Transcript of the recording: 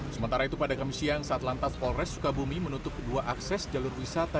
sementara itu pada kamis siang saat lantas polres sukabumi menutup dua akses jalur wisata